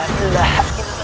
asal kau jadi pengikutmu